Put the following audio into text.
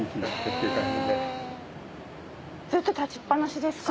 ずっと立ちっぱなしですか？